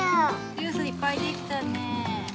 ジュースいっぱいできたねえ。